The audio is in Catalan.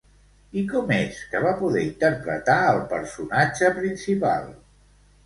I com és que va poder interpretar el personatge principal?